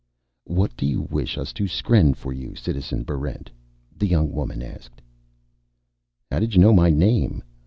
"What do you wish us to skren for you, Citizen Barrent?" the young woman asked. "How did you know my name?"